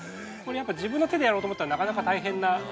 ◆自分の手でやろうと思ったらなかなか大変で。